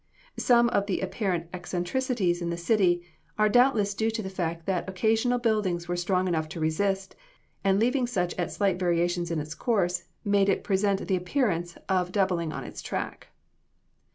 Some of the apparent eccentricities in the city, are doubtless due to the fact that occasional buildings were strong enough to resist; and leaving such at slight variations in its course, made it present the appearance of doubling on its track.